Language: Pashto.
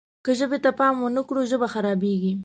که ژبې ته پام ونه کړو ژبه خرابېږي.